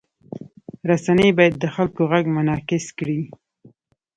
رسنۍ باید د خلکو غږ منعکس کړي.